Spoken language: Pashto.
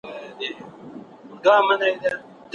په دغه ښوونځي کي شاګردانو له خپلو ښوونکو مننه وکړه.